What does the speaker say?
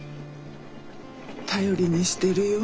頼りにしてるよ。